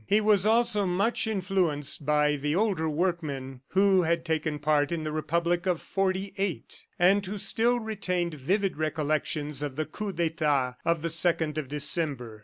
He was also much influenced by the older workmen who had taken part in the Republic of '48, and who still retained vivid recollections of the Coup d'Etat of the second of December.